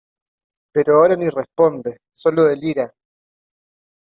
pero ahora ni responde, solo delira.